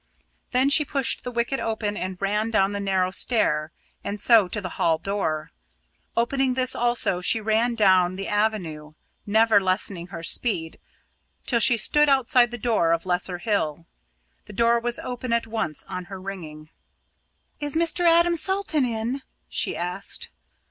Then she pushed the wicket open and ran down the narrow stair, and so to the hall door. Opening this also, she ran down the avenue, never lessening her speed till she stood outside the door of Lesser Hill. The door was opened at once on her ringing. "Is Mr. Adam Salton in?" she asked.